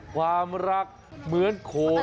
ความรักเหมือนโคน